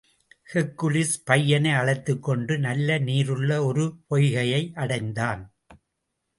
Hercules, பையனை அழைத்துக்கொண்டு நல்ல நீருள்ள ஒரு பொய்கையை அடைந்தான்.